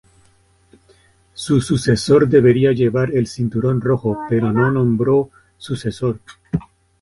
Su sucesor debería llevar el cinturón rojo pero no nombró sucesor.